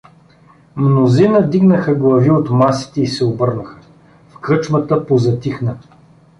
Мнозина дигнаха глави от масите и се обърнаха; в кръчмата позатихна.